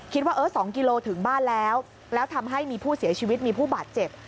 คิดว่า๒กิโลถึงบ้านแล้วแล้วทำให้มีผู้เสียชีวิตมีผู้บาดเจ็บ